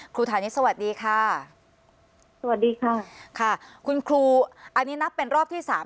ฐานิสสวัสดีค่ะสวัสดีค่ะค่ะคุณครูอันนี้นับเป็นรอบที่สาม